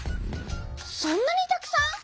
そんなにたくさん！